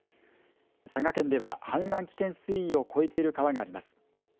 佐賀県では氾濫危険水位を超えている川があります。